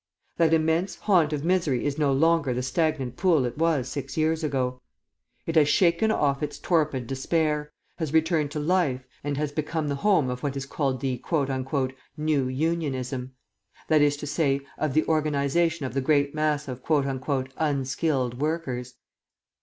That immense haunt of misery is no longer the stagnant pool it was six years ago. It has shaken off its torpid despair, has returned to life, and has become the home of what is called the "New Unionism;" that is to say, of the organisation of the great mass of "unskilled" workers.